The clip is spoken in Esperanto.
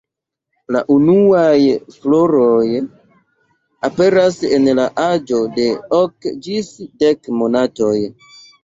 La unuaj floroj aperas en la aĝo de ok ĝis dek monatoj.